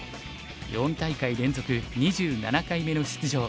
４大会連続２７回目の出場